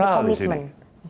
ada moral disini